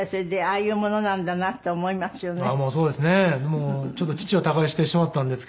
もうちょっと父は他界してしまったんですけど。